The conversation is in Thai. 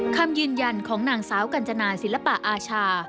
คำยืนยันของนางสาวกัญจนาศิลปะอาชา